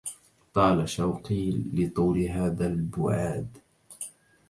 طال شوقي لطول هذا البعاد